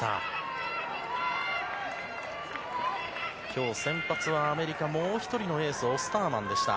今日先発はアメリカもう１人のエースオスターマンでした。